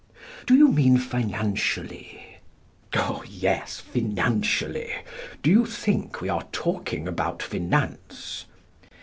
Do you mean financially? Oh, yes, financially. Do you think we are talking about finance?